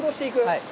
はい。